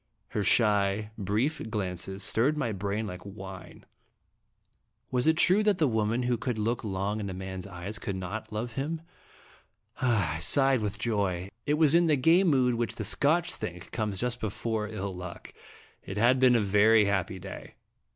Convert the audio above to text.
Her shy, brief glances stirred my brain like fl)e Dramatic in ittg JDesting. 107 wine. Was it true that the woman who could look long in a man's eyes could not love him? I sighed with joy. I was in the gay mood which the Scotch think comes just before ill luck. It had been a very happy day.